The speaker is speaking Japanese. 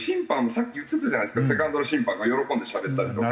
さっき言ってたじゃないですかセカンドの審判が喜んでしゃべったりとか。